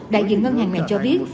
đại diện ngân hàng này cho biết